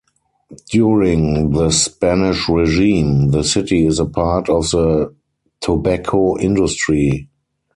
During the Spanish regime, the city is a part of the Tobacco industry.